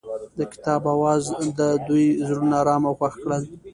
د کتاب اواز د دوی زړونه ارامه او خوښ کړل.